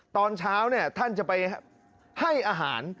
ตอนเช้าท่านจะไปให้อาหาร